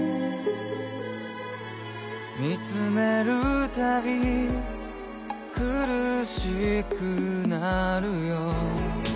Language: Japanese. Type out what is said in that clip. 「見つめるたび苦しくなるよ」